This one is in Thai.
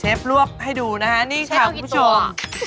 เชฟลวกให้ดูนะครับนี่ค่ะผู้ชม